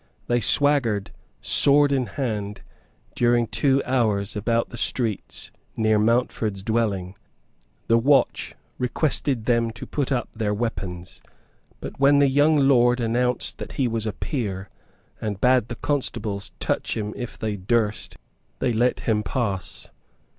They swaggered sword in hand during two hours about the streets near Mountford's dwelling. The watch requested them to put up their weapons. But when the young lord announced that he was a peer, and bade the constables touch him if they durst, they let him pass.